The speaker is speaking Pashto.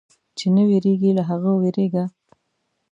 چې نه وېرېږي، له هغه وېرېږه.